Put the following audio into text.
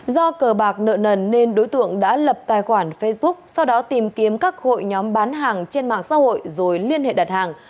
do cờ bạc nợ nần nên đối tượng đã lập tài khoản facebook sau đó tìm kiếm các hội nhóm bán hàng trên mạng xã hội rồi liên hệ đặt hàng